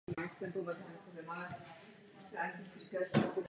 Výšina i s okolím je řazena do Zákupské pahorkatiny.